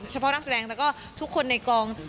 เฉพาะนักแสดงแล้วก็ทุกคนในกอง